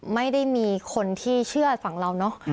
ไม่ได้มีคนที่เชื่อฝั่งเราเนอะ